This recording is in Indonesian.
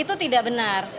itu tidak benar